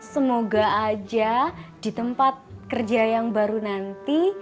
semoga aja di tempat kerja yang baru nanti